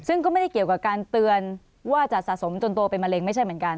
ซึ่งก็ไม่ได้เกี่ยวกับการเตือนว่าจะสะสมจนโตเป็นมะเร็งไม่ใช่เหมือนกัน